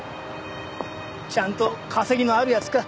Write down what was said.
ちゃんと稼ぎのある奴か？